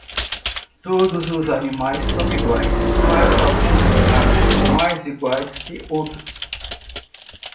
Todos os animais são iguais, mas alguns animais são mais iguais que outros.